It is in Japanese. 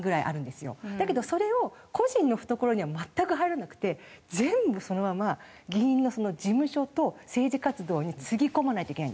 だけどそれを個人の懐には全く入らなくて全部そのまま議員の事務所と政治活動につぎ込まないといけないんです。